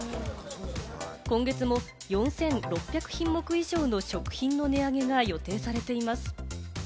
今月も４６００品目以上の食品の値上げが予定されています。